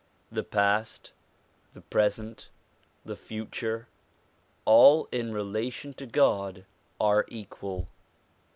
The past, the present, the future, all, in relation to God, are equal.